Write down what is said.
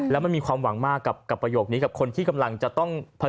แล้วมันมีความหวังมากกับประโยคนี้กับคนที่กำลังจะต้อง